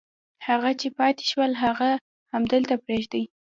هغه چې پاتې شول هغه همدلته پرېږدي.